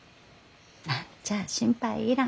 何ちゃあ心配いらん。